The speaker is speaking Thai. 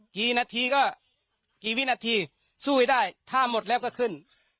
กี่นาทีก็กี่วินาทีสู้ให้ได้ถ้าหมดแล้วก็ขึ้น